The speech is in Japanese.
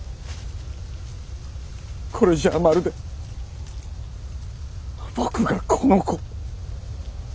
これじゃあまるで僕がこの子を！！